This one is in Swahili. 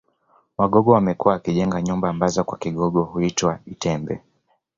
Wagogo wamekuwa wakijenga nyumba ambazo kwa Kigogo huitwa itembe